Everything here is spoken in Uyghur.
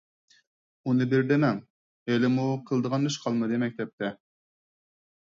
ئۇنى بىر دېمەڭ، ھېلىمۇ قىلىدىغان ئىش قالمىدى مەكتەپتە.